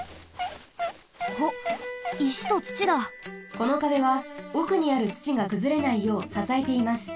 このかべはおくにあるつちがくずれないようささえています。